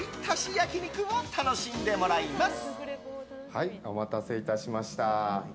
焼き肉を楽しんでもらいます。